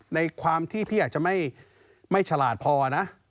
ในความที่พี่อาจจะไม่ฉลาดพอนะ